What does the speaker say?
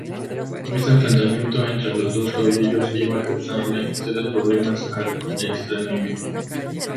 Este enfrentamiento entre los dos caudillos iba a causarle serios problemas al extremeño.